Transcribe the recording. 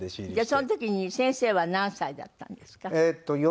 その時に先生は何歳だったんですか？